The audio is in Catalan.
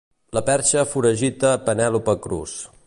La perxa foragita Penèlope Cruz.